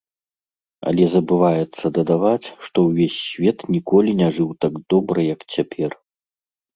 Але забываецца дадаваць, што ўвесь свет ніколі не жыў так добра, як цяпер.